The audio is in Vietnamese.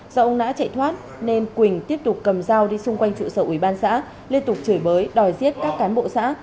do ông nã chạy thoát nên quỳnh tiếp tục cầm giao đi xung quanh trụ sở ubnd xã liên tục chửi bới đòi giết các cán bộ xã